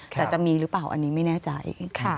แต่จะมีหรือเปล่าอันนี้ไม่แน่ใจ